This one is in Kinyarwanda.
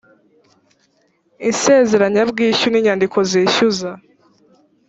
insezeranyabwishyu ni inyandiko zishyuza